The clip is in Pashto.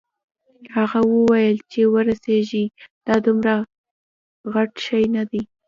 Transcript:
هغه وویل چې ورسیږې دا دومره غټ شی نه دی.